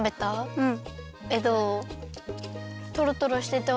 うん！